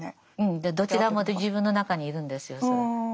でどちらも自分の中にいるんですよ。